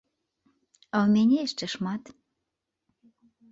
А ў мяне яшчэ шмат.